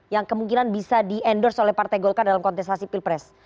yang kemungkinan bisa di endorse oleh partai golkar dalam kontestasi pilpres